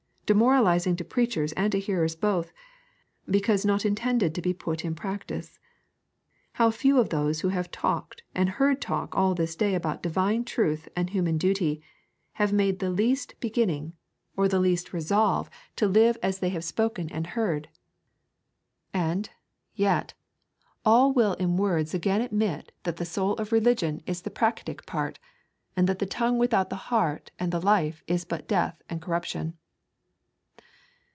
demoralising to preachers and to hearers both, because not intended to be put in practice. How few of those who have talked and heard talk all this day about divine truth and human duty, have made the least beginning or the least resolve to live as they have spoken and heard! And, yet, all will in words again admit that the soul of religion is the practick part, and that the tongue without the heart and the life is but death and corruption.